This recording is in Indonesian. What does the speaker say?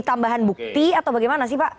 tambahan bukti atau bagaimana sih pak